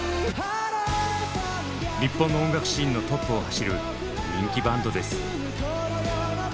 日本の音楽シーンのトップを走る人気バンドです。